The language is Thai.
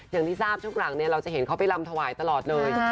อย่างที่ทราบช่วงหลังเราจะเห็นเขาไปลำถวายตลอดเลย